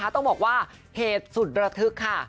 ต้องบอกว่าเหตุสุดระทึกค่ะ